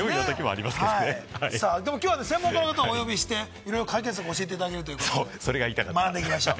きょうは専門家の方をお呼びして、いろいろ教えていただけるということで、学んでいきましょう。